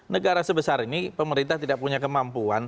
negara sebesar ini pemerintah tidak punya kemampuan